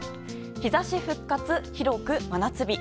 日差し復活、広く真夏日。